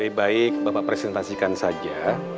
lebih baik bapak presentasikan saja